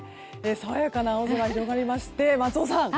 爽やかな青空が広がりまして松尾さん